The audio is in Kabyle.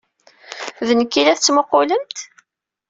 D nekk ay la d-tettmuqqulemt?